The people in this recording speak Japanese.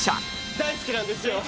大好きなんですよ。